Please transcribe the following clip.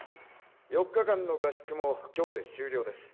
４日間の合宿も今日で終了です。